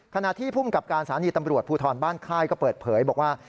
ขณะที่ภูมิกับการสถานีตำรวจภูทรบ้านค่ายก็เปิดเผยบอกว่า